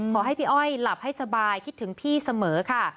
ขอให้พี่อ้อยหลับให้สบายคิดถึงพี่เสมอค่ะ